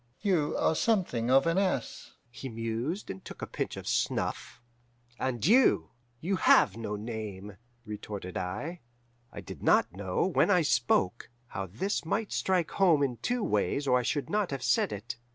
"'You are something of an ass,' he mused, and took a pinch of snuff. "'And you you have no name,' retorted I. "I did not know, when I spoke, how this might strike home in two ways or I should not have said it.